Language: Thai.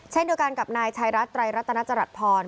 เช่นเดียวกันกับนายชายรัฐไตรรัตนจรัสพร